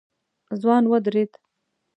ځوان ودرېد.